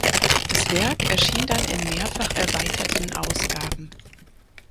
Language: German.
Das Werk erschien dann in mehrfach erweiterten Ausgaben.